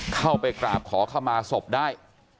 เข้าไปกราบขอเข้ามาศพได้